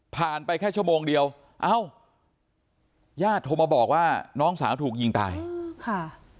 ไปแค่ชั่วโมงเดียวเอ้าญาติโทรมาบอกว่าน้องสาวถูกยิงตายค่ะ